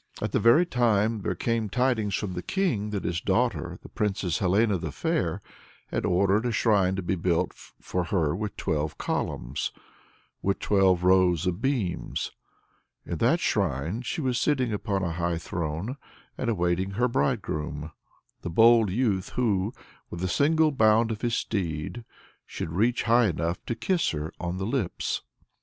At that very time there came tidings from the King, that his daughter, the Princess Helena the Fair, had ordered a shrine to be built for her with twelve columns, with twelve rows of beams. In that shrine she was sitting upon a high throne, and awaiting her bridegroom, the bold youth who, with a single bound of his swift steed, should reach high enough to kiss her on the lips.